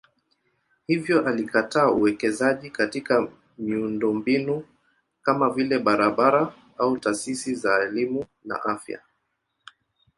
Hivyo alikataa uwekezaji katika miundombinu kama vile barabara au taasisi za elimu na afya.